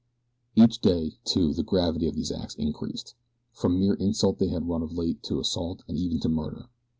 Each day, too, the gravity of these acts increased. From mere insult they had run of late to assault and even to murder.